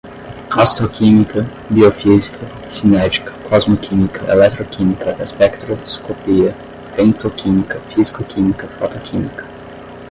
astroquímica, biofísica, cinética, cosmoquímica, eletroquímica, espectroscopia, femtoquímica, físico-química, fotoquímica